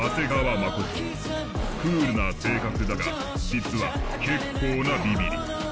クールな性格だが実は結構なビビり。